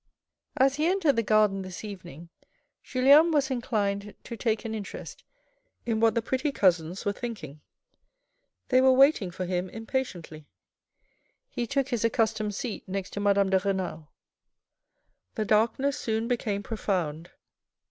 As he entered the garden this evening, Juiien was inclined to take an interest in what the pretty cousins were thinking. They were waiting for him impatiently. He took his ac customed seat next to Madame de Renal. The darkness soon became profound.